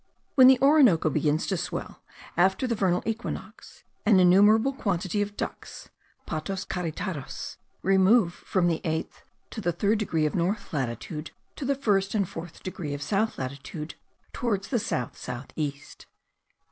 When the Orinoco begins to swell* after the vernal equinox, an innumerable quantity of ducks (patos careteros) remove from the eighth to the third degree of north latitude, to the first and fourth degree of south latitude, towards the south south east.